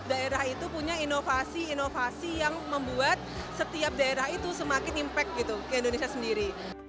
daerah itu punya inovasi inovasi yang membuat setiap daerah itu semakin impact gitu ke indonesia sendiri